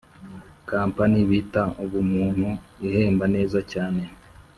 Campani bita ubumuntu ihemba neza cyane